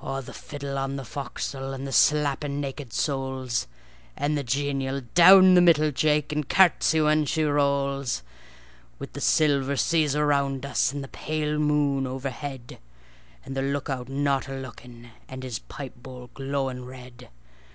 O! the fiddle on the fo'c's'le, and the slapping naked soles, And the genial ' Down the middle Jake, and curtsey when she rolls! ' A BALLAD OF JOHN SILVER 73 With the silver seas around us and the pale moon overhead, And .the look out not a looking and his pipe bowl glowing red.